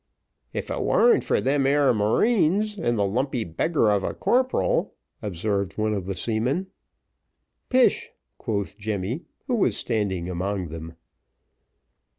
"If it warn't for them 'ere marines, and the lumpy beggar of a corporal," observed one of the seamen. "Pish," quoth Jemmy, who was standing among them.